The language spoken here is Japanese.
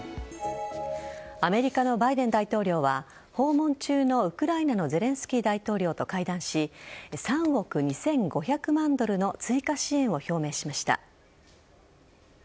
アメリカのバイデン大統領は訪問中のウクライナのゼレンスキー大統領と会談し３億２５００万ドルの追加支援を表明しました。